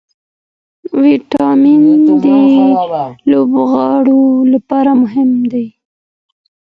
ویټامن ډي د لوبغاړو لپاره مهم دی.